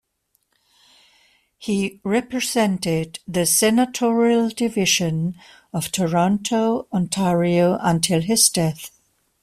He represented the senatorial division of Toronto, Ontario until his death.